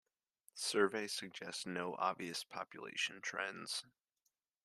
Surveys suggest no obvious population trends.